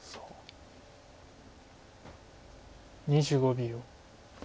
２５秒。